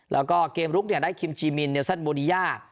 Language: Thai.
แล้วก็เกมลุกเนี่ยได้คิมจีมินเนียวสัตว์โบรียา